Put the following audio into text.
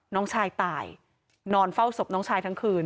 น้องชายตายนอนเฝ้าศพน้องชายทั้งคืน